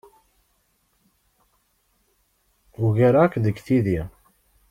Ugareɣ-t deg tiddi.